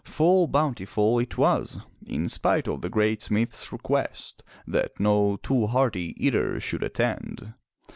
Full bountiful it was, in spite of the great smith's request that no too hearty eater should attend.